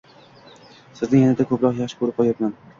sizni yanada ko'proq yaxshi ko'rib qolyapman.